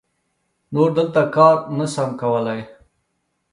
نور دلته کار نه سم کولای.